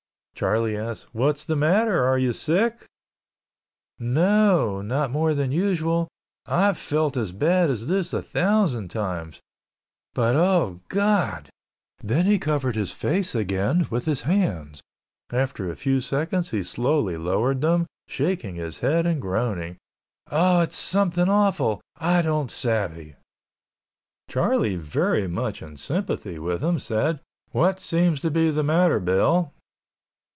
Charlie asked, "What's the matter, are you sick?" "No o o not more than usual, I've felt as bad as this a thousand times. But—oh God—" then he covered his face again with his hands. After a few seconds he slowly lowered them, shaking his head and groaning, "Oh, it's something awful, I don't savvy." Charlie very much in sympathy with him said, "What seems to be the matter, Bill?"